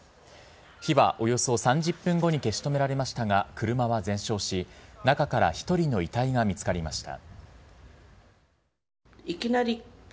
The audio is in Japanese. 火はおよそ３０分後に消し止められましたが、車は全焼し、中から１人の遺体が見つかりました。